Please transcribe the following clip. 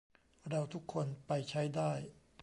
เราทุกคนไปใช้ได้